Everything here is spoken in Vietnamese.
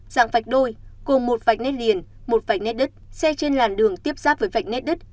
dạng vạch đôi cùng một vách nét liền một vạch nét đất xe trên làn đường tiếp giáp với vạch nét đất